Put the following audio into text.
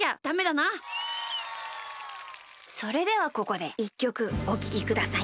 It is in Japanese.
それではここで１きょくおききください。